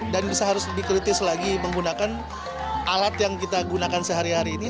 dan bisa harus lebih kritis lagi menggunakan alat yang kita gunakan sehari hari ini